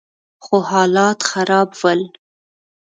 خو حالات خراب ول.